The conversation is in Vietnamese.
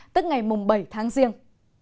tức ngày bảy tháng riêng